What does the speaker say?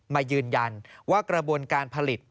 มายืนยันว่ากระบวนการผลิต